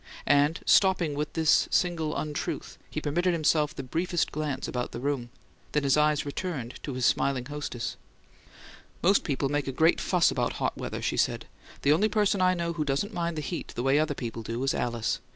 And, stopping with this single untruth, he permitted himself the briefest glance about the room; then his eyes returned to his smiling hostess. "Most people make a great fuss about hot weather," she said. "The only person I know who doesn't mind the heat the way other people do is Alice.